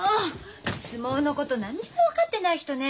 相撲のこと何にも分かってない人ね。